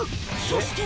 そして。